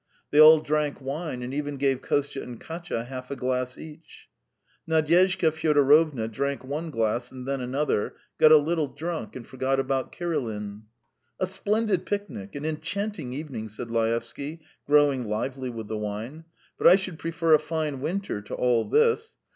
They all drank wine, and even gave Kostya and Katya half a glass each. Nadyezhda Fyodorovna drank one glass and then another, got a little drunk and forgot about Kirilin. "A splendid picnic, an enchanting evening," said Laevsky, growing lively with the wine. "But I should prefer a fine winter to all this.